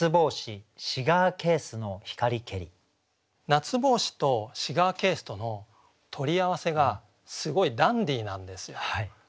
「夏帽子」と「シガーケース」との取り合わせがすごいダンディーなんですよ。